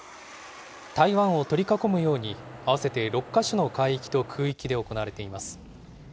台湾を取り囲むように、合わせて６か所の海域と空域で行われています。